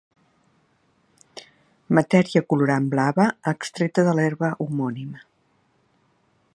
Matèria colorant blava extreta de l'herba homònima.